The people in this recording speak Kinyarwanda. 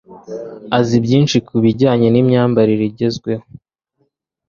Azi byinshi kubijyanye nimyambarire igezweho.